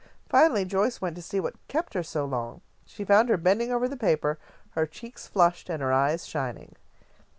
Finally Joyce went to see what kept her so long. She found her bending over the paper, her cheeks flushed and her eyes shining.